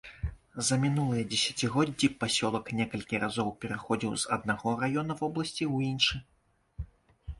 За мінулыя дзесяцігоддзі пасёлак некалькі разоў пераходзіў з аднаго раёна вобласці ў іншы.